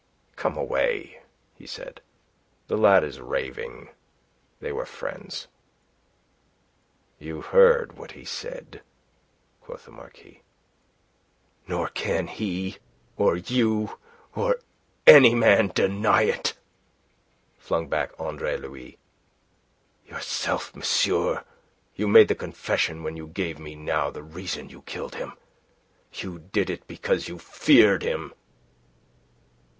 "Come away," he said. "The lad is raving. They were friends." "You heard what he said?" quoth the Marquis. "Nor can he, or you, or any man deny it," flung back Andre Louis. "Yourself, monsieur, you made confession when you gave me now the reason why you killed him. You did it because you feared him."